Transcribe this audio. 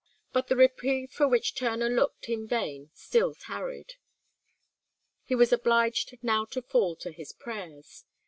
But the reprieve for which Turner looked in vain still tarried. He was obliged now to fall to his prayers.